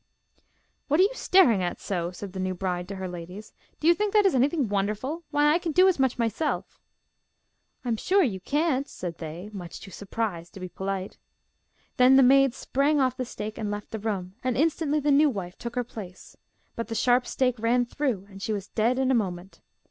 'What are you staring at so?' said the new bride to her ladies. 'Do you think that is anything wonderful? Why, I can do as much myself!' 'I am sure you can't,' said they, much too surprised to be polite. Then the maid sprang off the stake and left the room, and instantly the new wife took her place. But the sharp stake ran through, and she was dead in a moment.